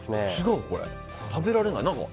これは食べられない。